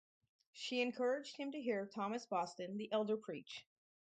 She encouraged him to hear Thomas Boston the elder preach.